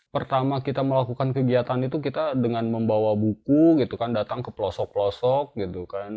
pertama kita melakukan kegiatan itu kita dengan membawa buku gitu kan datang ke pelosok pelosok gitu kan